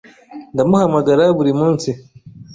Ndamuhamagara buri munsi.